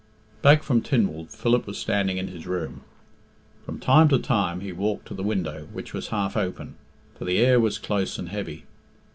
Back from Tynwald, Philip was standing in his room. From time to time he walked to the window, which was half open, for the air was close and heavy.